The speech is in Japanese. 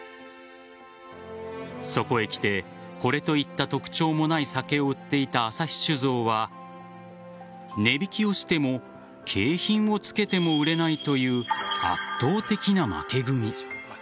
そこへきてこれといった特徴もない酒を売っていた旭酒造は値引きをしても景品を付けても売れないという圧倒的な負け組。